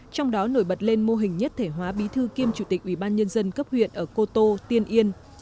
trong đó nổi bật lên mô hình nhất thể hóa bí thư kiêm chủ tịch ủy ban nhân dân cấp huyện ở cô tô tiên yên